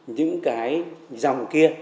những cái dòng kia